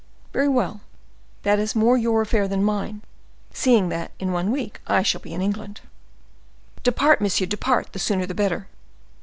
"Very well; that is more your affair than mine, seeing that in a week I shall be in England." "Depart, monsieur, depart—the sooner the better."